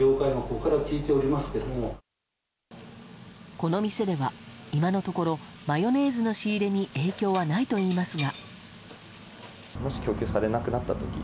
この店では、今のところマヨネーズの仕入れに影響はないといいますが。